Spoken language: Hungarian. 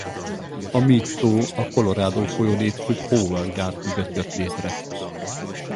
A Mead-tó a Colorado folyón épült Hoover-gát mögött jött létre.